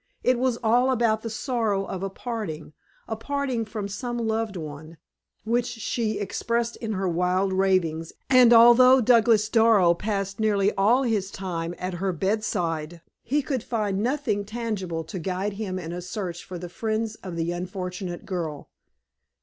It was all about the sorrow of a parting a parting from some loved one which she expressed in her wild ravings; and although Douglas Darrow passed nearly all his time at her bedside, he could find nothing tangible to guide him in a search for the friends of the unfortunate girl.